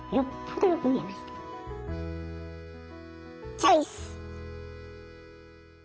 チョイス！